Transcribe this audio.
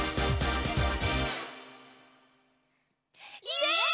イエーイ！